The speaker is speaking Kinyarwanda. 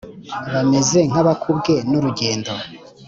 Bameze nka bakubwe nurugendo;